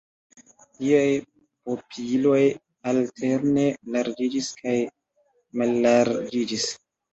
Liaj pupiloj alterne larĝiĝis kaj mallarĝiĝis.